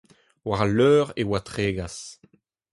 War al leur e oa tregas.